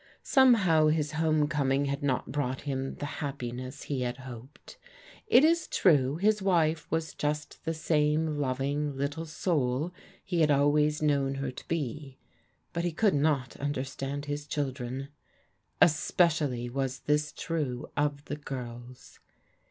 Somehow his home corn had not brought him the happiness he had hoped. II true his wife was just the same loving little soul he I always known her to be, but he could not understand children. Especially was this true of the girls.